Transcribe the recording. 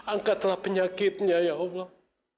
angkatlah penyakitnya ya allah